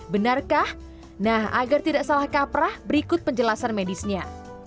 benarkah nah agar tidak salah kaprah berikut penjelasan medisnya